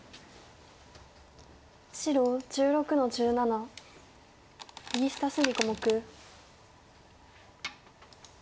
白１６の十七右下隅小目。